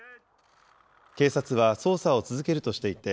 警察は捜査を続けるとしていて、